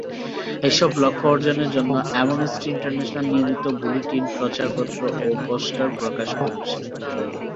এসব লক্ষ্য অর্জনের জন্য অ্যামনেস্টি ইন্টারন্যাশনাল নিয়মিত বুলেটিন, প্রচারপত্র ও পোস্টার প্রকাশ করছে।